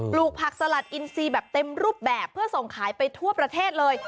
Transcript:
ลูกผักสลัดอินซีแบบเต็มรูปแบบเพื่อส่งขายไปทั่วประเทศเลย